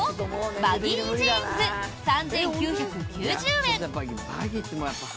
バギージーンズ３９９０円。